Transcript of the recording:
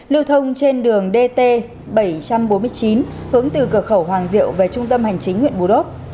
lưu thông trên đường dt bảy trăm bốn mươi chín hướng từ cửa khẩu hoàng diệu về trung tâm hành chính huyện bù đốc